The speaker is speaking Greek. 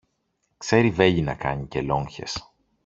ξέρει βέλη να κάνει και λόγχες